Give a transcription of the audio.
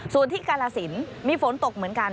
ส่วนที่กาลสินมีฝนตกเหมือนกัน